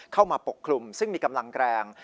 เข้ามาปกคลุมซึ่งมีกำลังแรง